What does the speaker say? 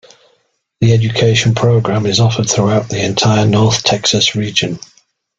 The education program is offered throughout the entire North Texas region.